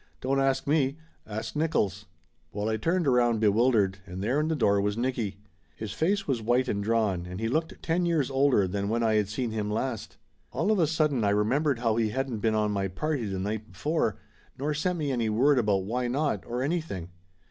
"Don't ask me, ask Nickolls !" Well, I turned around bewildered, and there in the door was Nicky. His face was white and drawn, and he looked ten years older than when I had seen him last. All of a sudden I remembered how he hadn't been on my party the night before, nor sent me any word about why not, or anything.